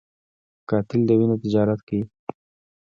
قاتل د وینو تجارت کوي